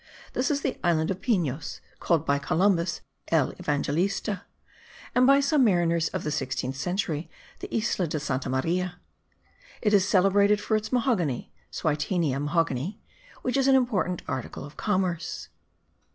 This is the island of Pinos, called by Columbus El Evangelista, and by some mariners of the sixteenth century, the Isla de Santa Maria. It is celebrated for its mahogany (Swietenia mahagoni) which is an important article of commerce.